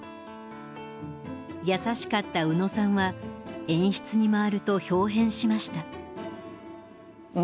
優しかった宇野さんは演出に回るとひょう変しました。